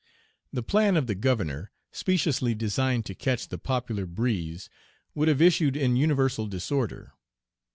The plan of the Governor, speciously designed to catch the popular breeze, would have issued in universal disorder.